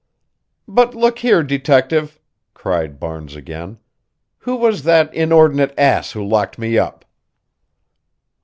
"But look here, detective," cried Barnes again, "who was that inordinate ass who locked me up?"